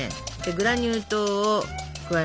グラニュー糖を加えますよ。